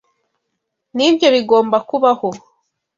Nibyo bigomba kubaho.